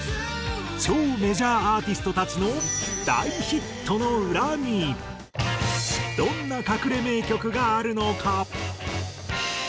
超メジャーアーティストたちの大ヒットの裏にどんな隠れ名曲があるのか？